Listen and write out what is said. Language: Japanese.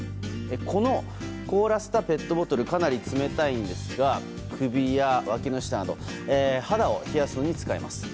この凍らせたペットボトルかなり冷たいんですが首やわきの下など肌を冷やすのに使います。